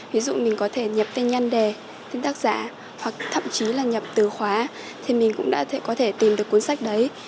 ví dụ mình có thể nhập tên nhân đề tên tác giả hoặc thậm chí là nhập từ khóa thì mình cũng đã có thể tìm được cuốn sách đấy